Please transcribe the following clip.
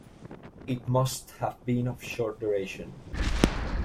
It must have been of short duration.